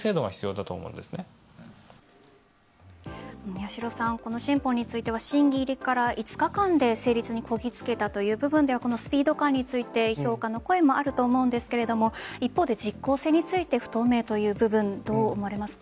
八代さん、この新法については審議入りから５日間で成立にこぎつけたという部分ではスピード感について評価の声もあると思うんですが一方で実効性について不透明という部分どう思われますか？